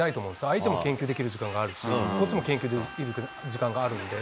相手も研究できる時間があるし、こっちも研究できる時間があるので。